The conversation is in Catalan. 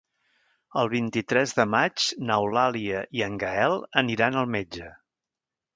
El vint-i-tres de maig n'Eulàlia i en Gaël aniran al metge.